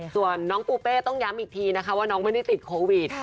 ส่วนน้องปูเป้ต้องย้ำอีกทีนะคะว่าน้องไม่ได้ติดโควิด